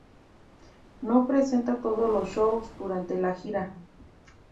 No representa todos los shows durante la gira.